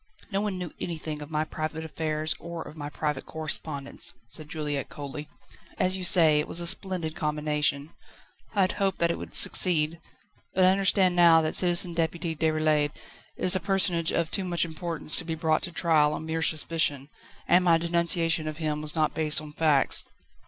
"No one knew anything of my private affairs or of my private correspondence," said Juliette coldly; "as you say, it was a splendid combination. I had hoped that it would succeed. But I understand now that Citizen Deputy Déroulède is a personage of too much importance to be brought to trial on mere suspicion, and my denunciation of him was not based on facts."